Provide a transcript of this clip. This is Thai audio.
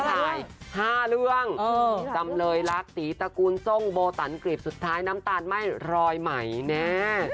ถ่าย๕เรื่องจำเลยรักตีตระกูลส้มโบตันกรีบสุดท้ายน้ำตาลไหม้รอยใหม่แน่